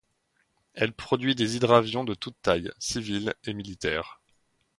Elle produit des hydravions de toutes tailles, civils et militaires.